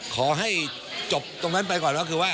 ขอให้จบตรงนั้นไปก่อนก็คือว่า